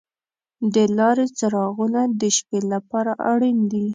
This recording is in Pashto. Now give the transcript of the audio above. د لارې څراغونه د شپې لپاره اړین دي.